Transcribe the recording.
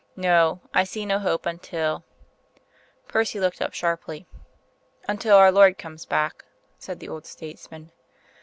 No; I see no hope until " Percy looked up sharply. "Until our Lord comes back," said the old statesman.